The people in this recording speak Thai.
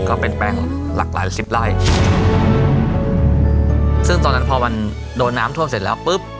ก็เป็นแป้งหลากหลายสิบไร่ซึ่งตอนนั้นพอมันโดนน้ำท่วมเสร็จแล้วปุ๊บ